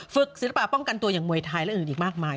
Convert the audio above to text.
ศิลปะป้องกันตัวอย่างมวยไทยและอื่นอีกมากมาย